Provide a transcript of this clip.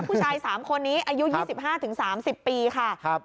ผู้ชาย๓คนนี้อายุ๒๕๓๐ปีค่ะ